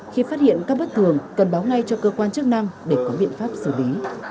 khi phát hiện các bất thường cần báo ngay cho cơ quan chức năng để có biện pháp xử lý